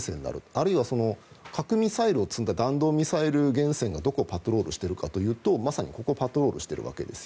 あるいは核ミサイルを積んだ弾道ミサイル原潜がどこをパトロールしているかというとまさにここをパトロールしているわけです。